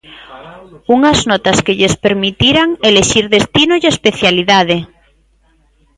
Unhas notas que lles permitiran elixir destino e especialidade.